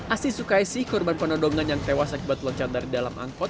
asi sukaisi korban penodongan yang tewas akibat loncat dari dalam angkot